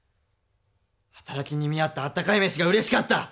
働きに見合ったあったかい飯がうれしかった。